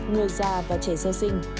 người già và trẻ xa sinh